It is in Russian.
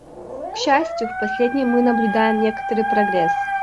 К счастью, в последнем мы наблюдаем некоторый прогресс.